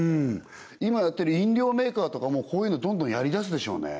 今やってる飲料メーカーとかもこういうのどんどんやりだすでしょうね